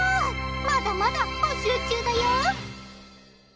まだまだ募集中だよ